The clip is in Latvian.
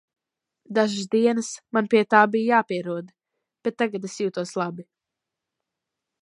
Dažas dienas man pie tā bija jāpierod, bet tagad es jūtos labi.